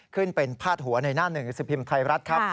ขึ้นเป็นพาดหัวในหน้าหนึ่งสิบพิมพ์ไทยรัฐครับ